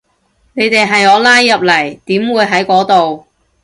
你哋係我拉入嚟，點會喺嗰度